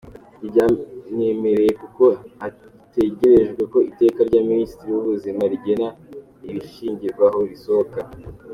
Gatera yansabye kujya kubibwira Issa yakwanga kugira icyo amfasha akabona kujyayo.